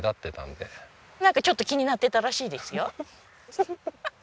なんかちょっと気になってたらしいですよ。